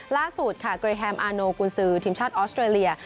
ล่าสุดค่ะเกรแฮมอาโนกุญซือทีมชาติออสเตรเลีย